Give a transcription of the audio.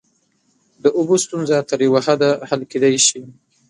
د اوبو ستونزه تر یوه حده حل کیدای شي.